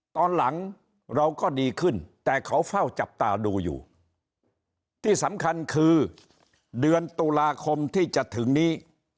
ตอนหลังเราก็ดีขึ้นแต่เขาเฝ้าจับตาดูอยู่ที่สำคัญคือเดือนตุลาคมที่จะถึงนี้